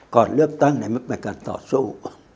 ก่อนเลือกตั้งมันเป็นการต่อสู้